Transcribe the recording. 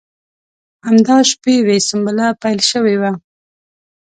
همدا شپې وې سنبله پیل شوې وه.